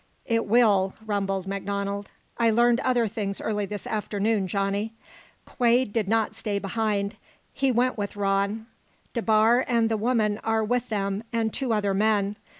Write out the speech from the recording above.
"It will," rumbled MacDonald. "I learned other things early this afternoon, Johnny. Quade did not stay behind. He went with Rann. DeBar and the woman are with them, and two other men.